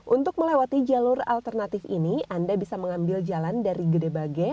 untuk melewati jalur alternatif ini anda bisa mengambil jalan dari gede bage